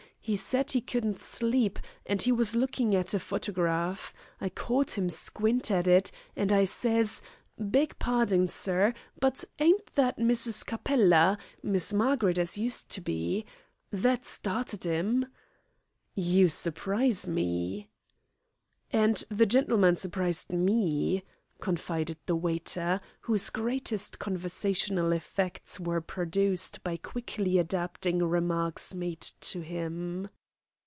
'E said 'e couldn't sleep, and 'e was lookin' at a fotygraf. I caught a squint at it, an' I sez, 'Beg parding, sir, but ain't that Mrs. Capella Miss Margaret as used to be?' That started 'im." "You surprise me." "And the gentleman surprised me," confided the waiter, whose greatest conversational effects were produced by quickly adapting remarks made to him.